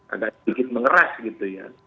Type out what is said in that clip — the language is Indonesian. agak sedikit mengeras gitu ya